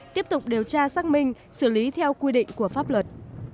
tiếp tục điều tra xác minh xử lý theo quy định của pháp luật